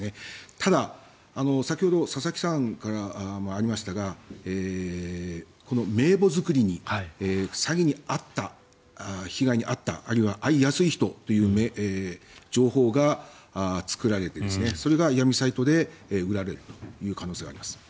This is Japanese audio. ただ、先ほど佐々木さんからもありましたがこの名簿作りに詐欺に遭った、被害に遭ったあるいは遭いやすい人という情報が作られてそれが闇サイトで売られるという可能性はあります。